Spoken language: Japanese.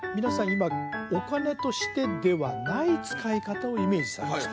今お金としてではない使い方をイメージされました